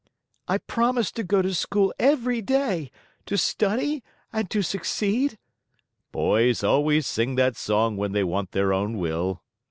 "I promise to go to school every day, to study, and to succeed " "Boys always sing that song when they want their own will."